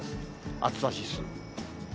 暑さ指数。